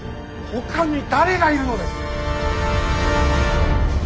ほかに誰がいるのです。